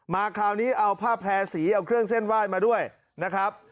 คราวนี้เอาผ้าแพร่สีเอาเครื่องเส้นไหว้มาด้วยนะครับ